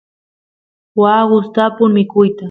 waa gustapun mikuyta